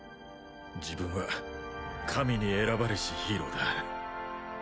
自分は神に選ばれしヒーローだ